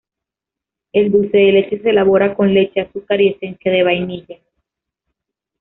El dulce de leche se elabora con leche, azúcar y esencia de vainilla.